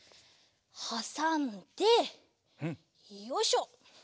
はさんでよいしょ。